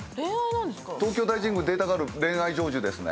東京大神宮データがある恋愛成就ですね。